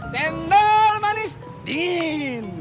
jendal manis dingin